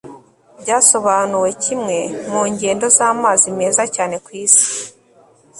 byasobanuwekimwe mu ngendo z'amazi meza cyane ku isi